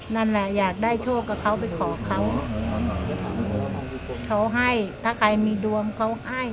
นั่นแหละอยากได้โชคกับเขาไปขอเขาเขาให้ถ้าใครมีดวงเขาให้